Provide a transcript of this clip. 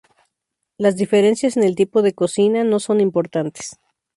Las diferencias en el tipo de cocina no son importantes.